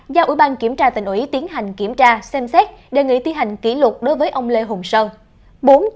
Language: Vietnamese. ba giao ủy ban kiểm tra tỉnh ủy tiến hành kiểm tra xem xét đề nghị tiến hành kỷ luật đối với ông lê hồng sơn